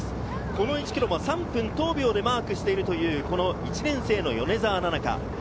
この１ｋｍ、３分１０秒でマークしているという１年生の米澤奈々香。